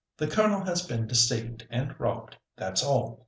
The Colonel has been deceived and robbed, that's all!